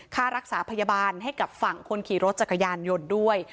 ค่ารักษาพยาบาลให้กับฝั่งคนขี่รถจักรยานยนต์ด้วย